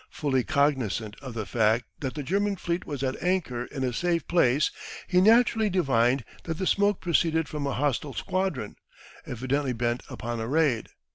Fully cognisant of the fact that the German Fleet was at anchor in a safe place he naturally divined that the smoke proceeded from a hostile squadron, evidently bent upon a raid.